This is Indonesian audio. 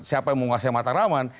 siapa yang mau ngasih mataraman